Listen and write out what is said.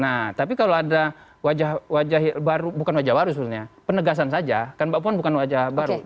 nah tapi kalau ada wajah wajah baru bukan wajah baru sebenarnya penegasan saja kan mbak puan bukan wajah baru